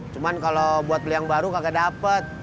cuman kalau buat beli yang baru kagak dapet